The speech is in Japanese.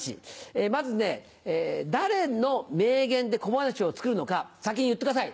まずね誰の名言で小噺を作るのか先に言ってください。